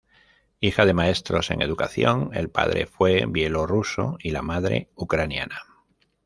Hija de maestros en educación, el padre fue bielorruso y la madre, ucraniana.